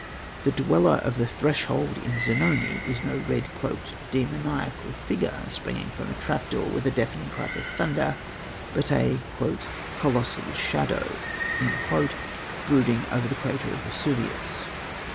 The Dweller of the Threshold in Zanoni is no red cloaked, demoniacal figure springing from a trap door with a deafening clap of thunder, but a "Colossal Shadow" brooding over the crater of Vesuvius.